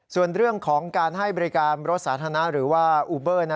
ส่วนเรื่องของการให้บริการรถสาธารณะหรือว่าอูเบอร์